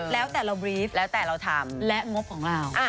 แล้วแต่เราบรีฟแล้วแต่เราทำและงบของเรา